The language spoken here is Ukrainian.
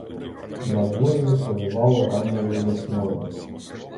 Надворі повівало ранньою весною.